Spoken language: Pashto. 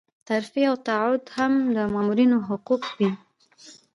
ترفيع او تقاعد هم د مامور حقوق دي.